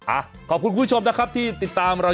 อ่ะขอบคุณผู้ชมนะครับที่ติดตามเรา